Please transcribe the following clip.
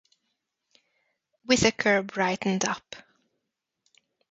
Whittaker brightened up.